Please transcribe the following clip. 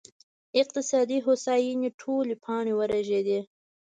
اقتصادي هوساینې ټولې پاڼې ورژېدې